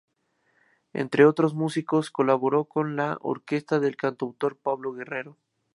Entre otros músicos, colaboró con la Orquesta el cantautor Pablo Guerrero.